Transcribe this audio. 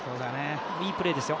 いいプレーですよ。